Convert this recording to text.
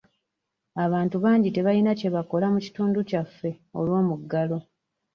Abantu bangi tebalina kye bakola mu kitundu kyaffe olw'omuggalo.